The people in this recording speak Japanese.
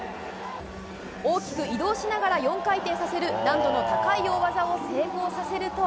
大きく移動しながら４回転させる難度の高い大技を成功させると。